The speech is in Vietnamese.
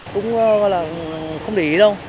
cũng không để ý đâu